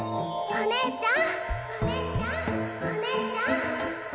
お姉ちゃん！